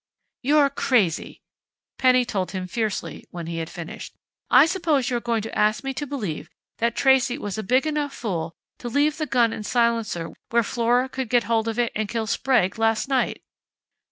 "You're crazy!" Penny told him fiercely, when he had finished. "I suppose you are going to ask me to believe that Tracey was a big enough fool to leave the gun and silencer where Flora could get hold of it and kill Sprague last night."